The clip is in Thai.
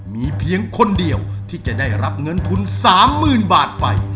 มีเพียงคนเดียวที่จะได้รับเงินทุน๓๐๐๐บาทไป